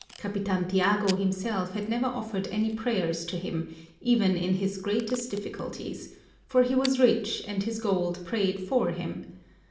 Capitan Tiago himself had never offered any prayers to Him, even in his greatest difficulties, for he was rich and his gold prayed for him.